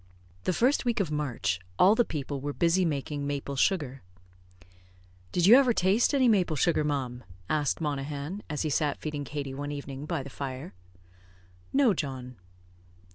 The first week of March, all the people were busy making maple sugar. "Did you ever taste any maple sugar, ma'am?" asked Monaghan, as he sat feeding Katie one evening by the fire. "No, John."